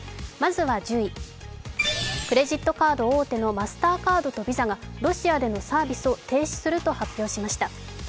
まずは１０位、クレジットカード大手のマスターカードとＶＩＳＡがロシアでのサービスを停止すると発表しました。